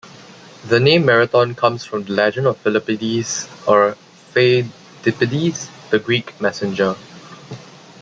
The name "Marathon" comes from the legend of Philippides or Pheidippides, the Greek messenger.